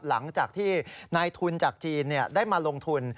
หลังจากที่นายทุนจากจีนได้มาลงทุน